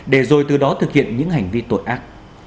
để rồi từ đó thực hiện những hành vi tội ác